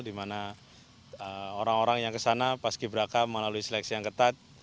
di mana orang orang yang kesana paski beraka melalui seleksi yang ketat